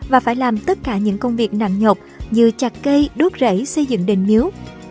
và phải làm tất cả những công việc nặng nhộp như chặt cây đốt rẫy xây dựng đền miếu